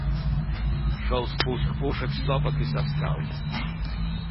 Шёл спуск пушек с сопок и со скал.